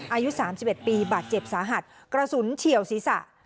อายุสามสิบเอ็ดปีบาดเจ็บสาหัสกระสุนเฉี่ยวศีรษะ